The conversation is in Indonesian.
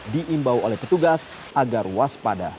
diimbau oleh petugas agar waspada